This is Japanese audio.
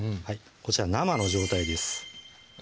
こちら生の状態です